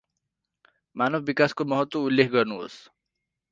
मानव विकासको महत्तव उल्लेख गर्नुहोस् ।